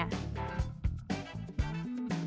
untuk tanaman yang diperlukan